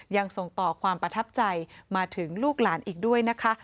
ยังส่งต่อความประทับใจมาถึงลูกหลานอีกด้วยนะคะ